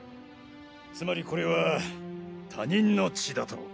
つまりこれは他人の血だと？